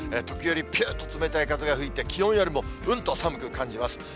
時折ぴゅーっと冷たい風が吹いて、気温よりもうんと寒く感じます。